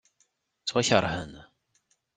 Ttwakeṛhen.